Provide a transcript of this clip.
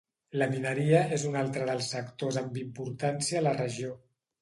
La mineria és un altre dels sectors amb importància a la regió.